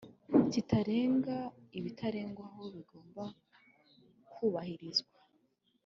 kitarenga ibitarengwaho bigomba kwubahirizwa